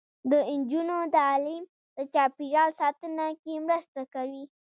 د نجونو تعلیم د چاپیریال ساتنه کې مرسته کوي.